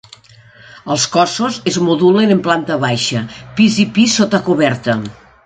Els cossos es modulen en planta baixa, pis i pis sota-coberta.